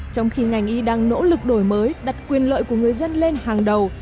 trong khi ngành y đang nỗ lực đổi mới đặt quyền lợi của người dân lên hàng đầu